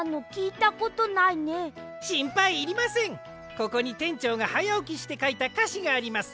ここにてんちょうがはやおきしてかいたかしがあります。